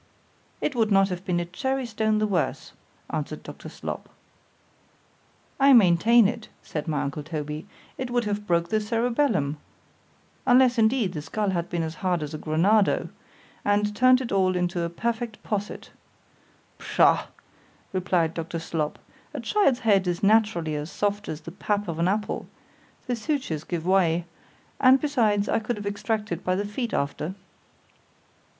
——It would not have been a cherry stone the worse, answered Dr. Slop.—I maintain it, said my uncle Toby, it would have broke the cerebellum (unless indeed the skull had been as hard as a granado) and turn'd it all into a perfect posset.——Pshaw! replied Dr. Slop, a child's head is naturally as soft as the pap of an apple;—the sutures give way—and besides, I could have extracted by the feet after.